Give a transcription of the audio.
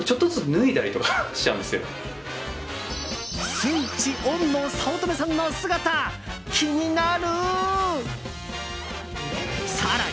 スイッチオンの早乙女さんの姿気になる！